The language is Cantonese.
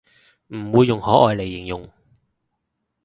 唔會用可愛嚟形容